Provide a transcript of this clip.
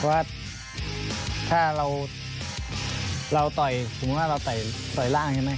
เพราะว่าถ้าเราต่อยสมมุติว่าเราต่อยร่างใช่ไหม